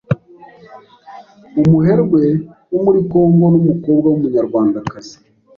umuherwe wo muri kongo n’umukobwa w’umunyarwandakazi